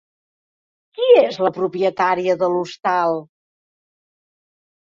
Qui és la propietària de l'hostal?